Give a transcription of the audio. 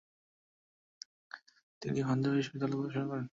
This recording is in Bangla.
তিনি পাঞ্জাবী বিশ্ববিদ্যালয়ে পড়াশোনা করেন।